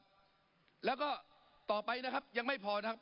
ปรับไปเท่าไหร่ทราบไหมครับ